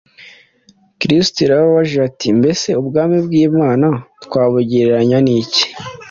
Kristo yarabajije ati: « Mbese ubwami bw’Imana twabugereranya n’iki ?